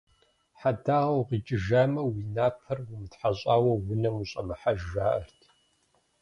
Хьэдагъэ укъикӏыжамэ, уи напэр умытхьэщӏауэ унэм ущӏэмыхьэж жаӏэрт.